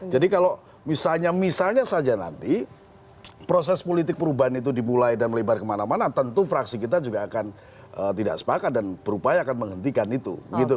kalau misalnya misalnya saja nanti proses politik perubahan itu dimulai dan melebar kemana mana tentu fraksi kita juga akan tidak sepakat dan berupaya akan menghentikan itu